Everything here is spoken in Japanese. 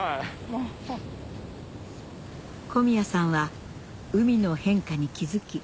小宮さんは海の変化に気付き